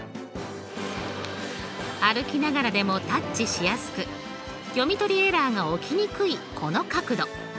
歩きながらでもタッチしやすく読み取りエラーが起きにくいこの角度。